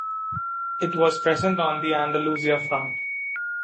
It was present on the Andalusia Front.